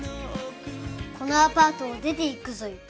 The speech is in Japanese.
このアパートを出て行くぞよ。